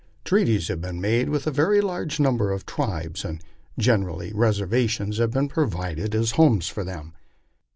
Treaties have been made with a very large number of the tribes, and general ly reservations have been provided as homes for them.